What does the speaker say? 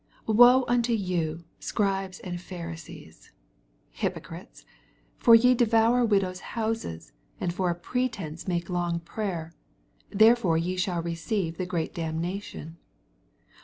301 14 Woe nnto yon, Scribes and Pbarisees, hypocrites l' for ye devonr widows' nouses, and for a pretence make long prayer : therefore ye shall receive the greater damnation.